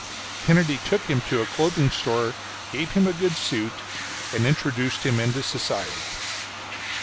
Kennedy took him to a clothing store, gave him a good suit, and introduced him into society.